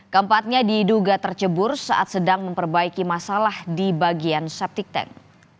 keempatnya diduga tercebur saat sedang memperbaiki masalah di bagian septic tank